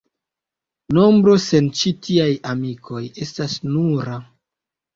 Nombro sen ĉi tiaj amikoj estas nura.